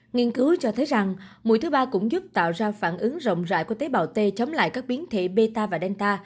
nghiên cứu cho thấy rằng mũi thứ ba cũng giúp tạo ra phản ứng rộng rãi của tế bào t chống lại các biến thể meta và delta